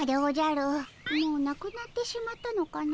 もうなくなってしまったのかの。